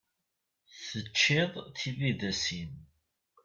Teččiḍ tibidas-im?